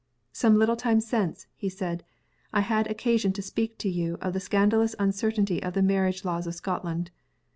"Some little time since," he said, "I had occasion to speak to you of the scandalous uncertainty of the marriage laws of Scotland.